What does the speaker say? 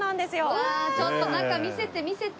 うわあちょっと中見せて見せて。